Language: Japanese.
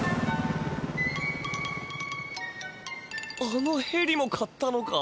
あのヘリも買ったのか？